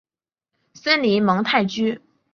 森林蒙泰居。